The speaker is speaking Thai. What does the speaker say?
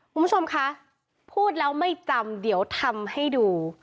คุณผู้ชมคะพูดแล้วไม่จำเดี๋ยวทำให้ดู